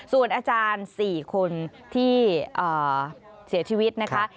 ส่วนอาจารย์๔คนที่เสียชีวิตนะคะ